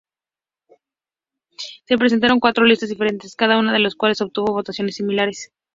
Se presentaron cuatro listas diferentes, cada una de las cuales obtuvo votaciones similares.